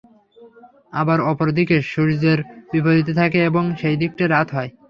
আবার অপর দিক সূর্যের বিপরীতে থাকে এবং সেই দিকটায় রাত হয়।